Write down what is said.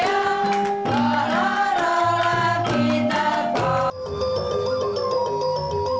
adapun dalam berbagai beda budayanya